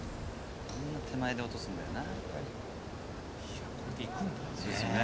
手前で落とすんだよな。